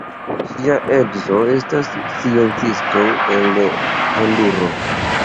Ŝia edzo estas sciencisto el Honduro.